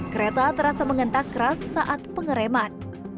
kereta terasa mengentak keras saat pengereman